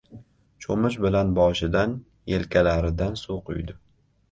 Cho‘mich bilan boshidan, yelkalaridan suv quydi.